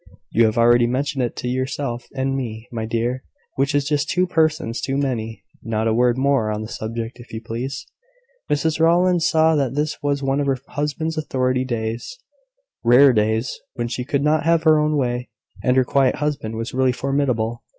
"You have already mentioned it to yourself and me, my dear, which is just two persons too many. Not a word more on the subject, if you please." Mrs Rowland saw that this was one of her husband's authority days; rare days, when she could not have her own way, and her quiet husband was really formidable.